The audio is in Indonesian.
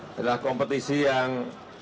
adalah kompetisi yang